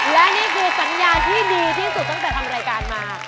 และนี่คือสัญญาที่ดีที่สุดตั้งแต่ทำรายการมา